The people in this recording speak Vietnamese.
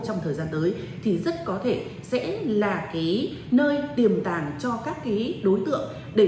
trong thời gian tới thì rất có thể sẽ là nơi tiềm tàng cho các đối tượng để thực hiện